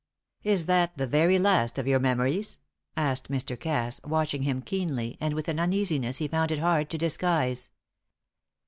"Is that the very last of your memories?" asked Mr. Cass, watching him keenly, and with an uneasiness he found it hard to disguise.